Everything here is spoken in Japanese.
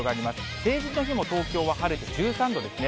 成人の日も東京は晴れて、１３度ですね。